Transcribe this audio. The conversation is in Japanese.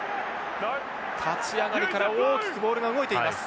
立ち上がりから大きくボールが動いています。